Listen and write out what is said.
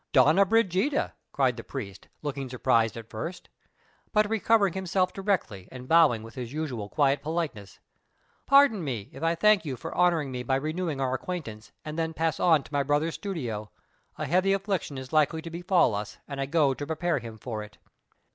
"Donna Brigida!" cried the priest, looking surprised at first, but recovering himself directly and bowing with his usual quiet politeness. "Pardon me if I thank you for honoring me by renewing our acquaintance, and then pass on to my brother's studio. A heavy affliction is likely to befall us, and I go to prepare him for it."